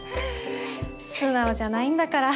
素直じゃないんだから。